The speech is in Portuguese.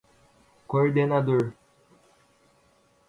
coordenador